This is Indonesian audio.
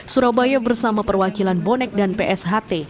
surabaya bersama perwakilan bonek dan psht